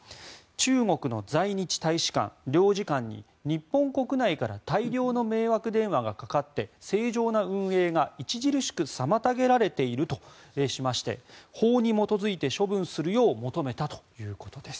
中国の在日大使館・領事館に日本国内から大量の迷惑電話がかかって正常な運営が著しく妨げられているとしまして法に基づいて処分するよう求めたということです。